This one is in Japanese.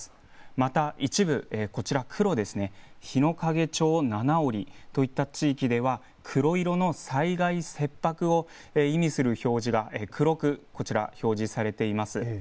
また一部、黒、日之影町七折といった地域では黒色の災害切迫を意味する表示が表示されています。